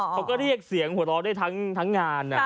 เขาก็เรียกเสียงหัวเราะได้ทั้งงาน